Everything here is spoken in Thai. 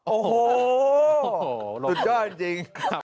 โอ้โหสุดยอดจริง